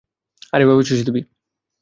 আর এভাবে চুষে দিবি!